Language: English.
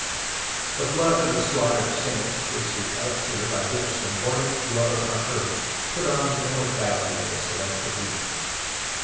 The blood of the slaughtered saints was the elixir by which the mortal dweller on earth put on the immortality of a celestial being.